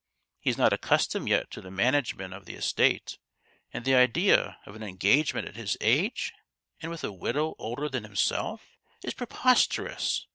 He is not accustomed yet to the management of the estate and the idea of an engagement at his age, and with a widow older than himself, is preposterous!